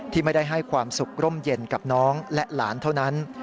ที่ไม่ได้ให้ความสุขร่มเย็นกับน้องและหลานเท่านั้น